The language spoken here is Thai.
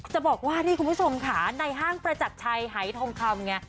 จะบอกว่านี่คุณผู้ชมค่ะในห้างประจักรชัยหายทองคำไง